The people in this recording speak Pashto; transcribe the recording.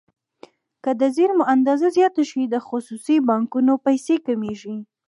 که د زېرمو اندازه زیاته شي د خصوصي بانکونو پیسې کمیږي.